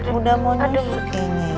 mudah mau nyusuk